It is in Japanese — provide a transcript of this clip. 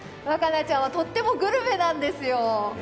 和奏ちゃんはとってもグルメなんですよ。